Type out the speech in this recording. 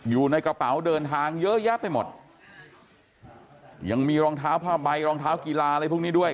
อยู่ในกระเป๋าเดินทางเยอะแยะไปหมดยังมีรองเท้าผ้าใบรองเท้ากีฬาอะไรพวกนี้ด้วย